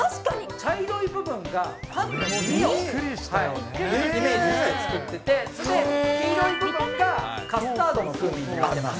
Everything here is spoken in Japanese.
茶色い部分がパンの耳をイメージして作ってて、それで、黄色い部分がカスタードの風味になっています。